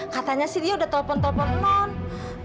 katanya dia sudah menelpon nont